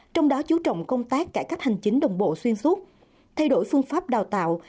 trong đó chú trọng công tác cải cách hành chính đồng bộ xuyên suốt thay đổi phương pháp đào tạo